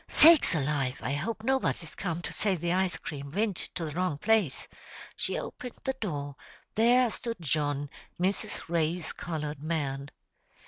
"Sakes alive! I hope nobody's come to say the ice crame wint to the wrong place!" She opened the door; there stood John, Mrs. Ray's colored man.